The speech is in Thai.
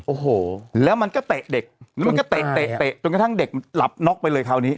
โอ้โหแล้วมันก็เตะเด็กแล้วมันก็เตะจนกระทั่งเด็กหลับน็อกไปเลยคราวนี้